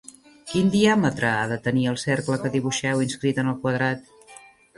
Quin diàmetre ha de tenir el cercle que dibuixeu inscrit en el quadrat?